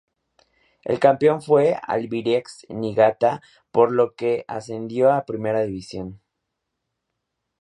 El campeón fue Albirex Niigata, por lo que ascendió a Primera División.